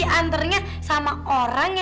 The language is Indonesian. bener lo juga sih mau aja